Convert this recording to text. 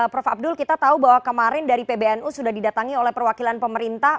prof abdul kita tahu bahwa kemarin dari pbnu sudah didatangi oleh perwakilan pemerintah